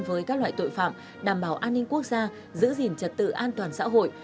với các loại tội phạm đảm bảo an ninh quốc gia giữ gìn trật tự an toàn xã hội